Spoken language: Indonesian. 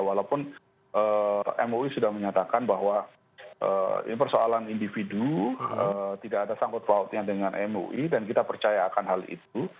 walaupun mui sudah menyatakan bahwa ini persoalan individu tidak ada sangkut pautnya dengan mui dan kita percaya akan hal itu